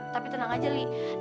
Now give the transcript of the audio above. tapi tenang aja lia